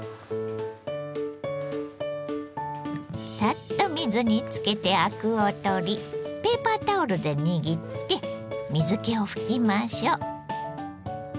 サッと水につけてアクを取りペーパータオルで握って水けを拭きましょう。